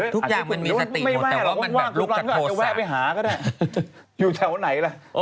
ทุกอย่างมันมีสติหรืออ๋ออยู่แถวไหนล่ะ